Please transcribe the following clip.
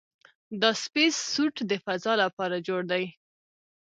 دا سپېس سوټ د فضاء لپاره جوړ دی.